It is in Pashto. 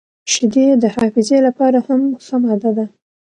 • شیدې د حافظې لپاره هم ښه ماده ده.